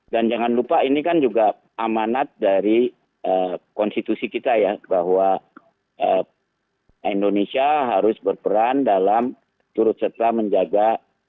dan jangan lupa ini kan juga amanat dari konstitusi kita ya bahwa indonesia harus berperan dalam turut serta menjaga